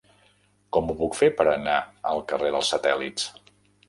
Com ho puc fer per anar al carrer dels Satèl·lits?